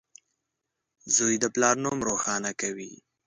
• زوی د پلار نوم روښانه کوي.